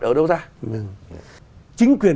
ở đâu ra chính quyền